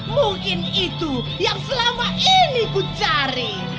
mungkin itu yang selama ini ku cari